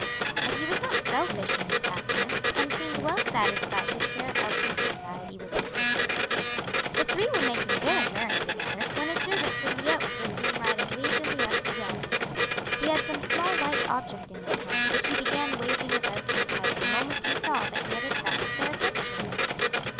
But he was not selfish in his happiness, and seemed well satisfied to share Elsie's society with his sister. The three were making very merry together, when a servant from the Oaks was seen riding leisurely up the avenue. He had some small white object in his hand which he began waving about his head the moment he saw that he had attracted their attention.